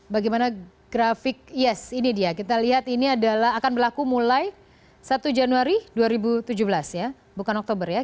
bagaimana grafik yes ini dia kita lihat ini adalah akan berlaku mulai satu januari dua ribu tujuh belas ya bukan oktober ya